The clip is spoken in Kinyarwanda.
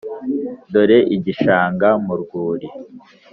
dore igishanga mu rwuri